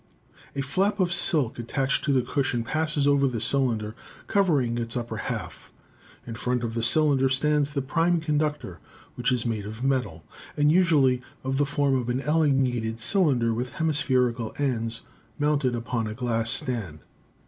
A flap of silk attached to the cushion passes over the cylinder, covering its upper half. In front of the cylinder stands the "prime conductor," which is made of metal, and usually of the form of an elongated cylinder with hemispherical ends, mounted upon a glass stand.